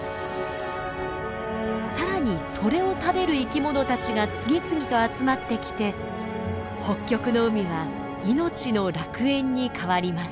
更にそれを食べる生きものたちが次々と集まってきて北極の海は命の楽園に変わります。